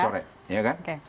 coret ya kan